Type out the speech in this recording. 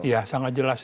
iya sangat jelas